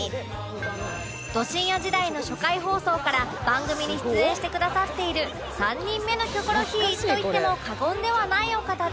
ド深夜時代の初回放送から番組に出演してくださっている３人目のキョコロヒーと言っても過言ではないお方で